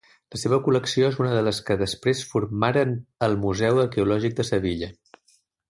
La seva col·lecció és una de les que després formaren el Museu Arqueològic de Sevilla.